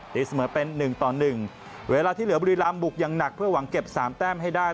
ตีเสมอเป็น๑ต่อ๑เวลาที่เหลือบุรีรำบุกอย่างหนักเพื่อหวังเก็บ๓แต้มให้ได้